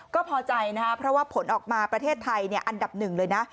ก็พอใจนะครับเพราะว่าผลออกมาประเทศไทยอันดับหนึ่งเลยนะ